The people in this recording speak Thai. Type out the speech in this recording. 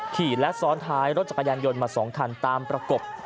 ขี่และซ้อนท้ายรถจักรยานยนต์มา๒คันตามประกบ